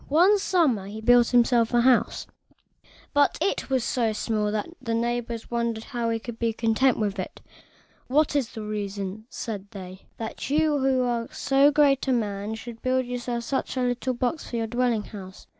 One summer he built himself a house, but it was so small that his neighbors wondered how he could be content with it. "What is the reason," said they, "that you, who are so great a man, should build such a little box as this for your dwelling house?"